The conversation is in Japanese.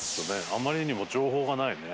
あまりにも情報がないね。